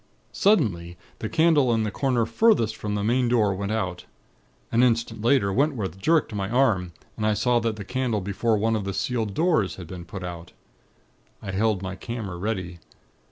"Suddenly, the candle in the corner furthest from the main door, went out. An instant later, Wentworth jerked my arm, and I saw that the candle before one of the sealed doors had been put out. I held my camera ready.